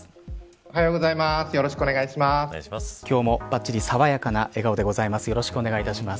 おはようございます。